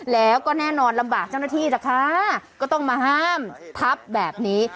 แล้วก็แน่นอนลำบากเจ้าหน้าที่ล่ะค่ะก็ต้องมาห้ามทับแบบนี้